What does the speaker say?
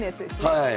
はい。